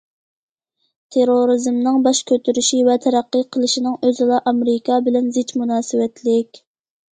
تېررورىزمنىڭ باش كۆتۈرۈشى ۋە تەرەققىي قىلىشىنىڭ ئۆزىلا ئامېرىكا بىلەن زىچ مۇناسىۋەتلىك.